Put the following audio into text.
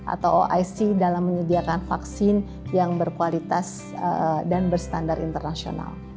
atau oic dalam menyediakan vaksin yang berkualitas dan berstandar internasional